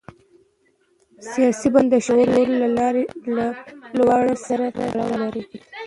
سیاسي بدلون د شعور له لوړوالي سره تړاو لري